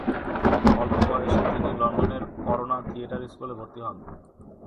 অল্প বয়সে তিনি লন্ডনের করোনা থিয়েটার স্কুলে ভর্তি হন।